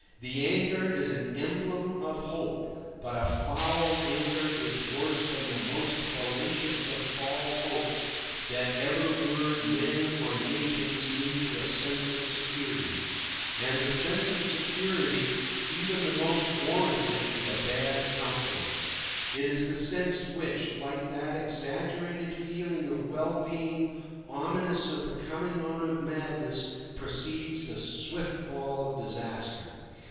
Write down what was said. The anchor is an emblem of hope, but a foul anchor is worse than the most fallacious of false hopes that ever lured men or nations into a sense of security. And the sense of security, even the most warranted, is a bad councillor. It is the sense which, like that exaggerated feeling of well being ominous of the coming on of madness, precedes the swift fall of disaster.